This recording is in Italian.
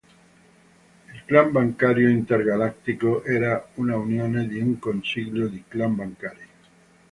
Il Clan Bancario Intergalattico era una unione di un Consiglio di Clan Bancari.